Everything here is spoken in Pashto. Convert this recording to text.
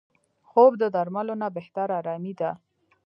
خوب د درملو نه بهتره آرامي ده